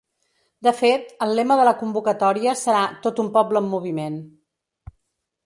De fet, el lema de la convocatòria serà Tot un poble en moviment.